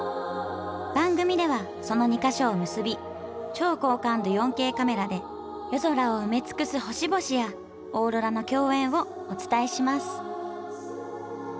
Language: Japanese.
番組ではその２か所を結び超高感度４Ｋカメラで夜空を埋め尽くす星々やオーロラの饗宴をお伝えします